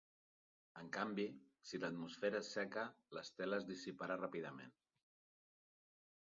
En canvi, si l'atmosfera és seca, l'estela es dissiparà ràpidament.